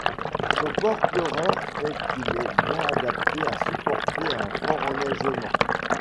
Son port pleureur fait qu’il est bien adapté à supporter un fort enneigement.